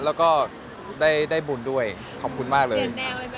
เป็นผู้รักษาบุญเลย